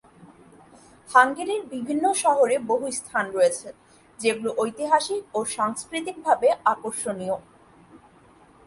হাঙ্গেরির বিভিন্ন শহরে বহু স্থান রয়েছে, যেগুলি ঐতিহাসিক ও সাংস্কৃতিকভাবে আকর্ষণীয়।